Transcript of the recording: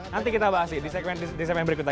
nanti kita bahas di segmen berikutnya